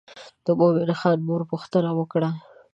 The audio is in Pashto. د مومن خان مور پوښتنه وکړه.